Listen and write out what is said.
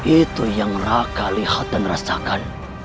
itu yang raka lihat dan rasakan